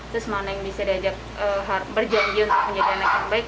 terus mana yang bisa diajak berjanji untuk menjadi anak yang baik